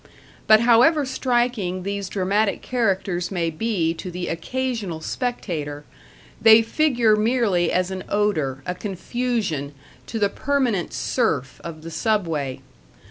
But however striking these dramatic characters may be to the occasional spectator, they figure merely as an odor, a confusion, to the permanent serf of the Subway....